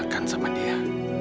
jangan sama dia